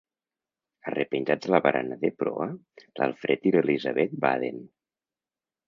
Arrepenjats a la barana de proa, l'Alfred i l'Elisabet baden.